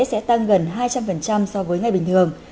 sẽ tăng gần hai trăm linh so với ngày bình thường